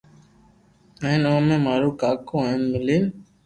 ھين اومي مارو ڪاڪو ھين ملين